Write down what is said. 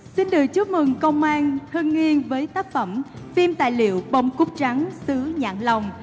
xin được chúc mừng công an thân nghiêng với tác phẩm phim tài liệu bông cúc trắng sứ nhạc lòng